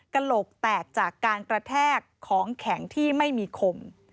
กระโหลกแตกจากการกระแทกของแข็งที่ไม่มีคม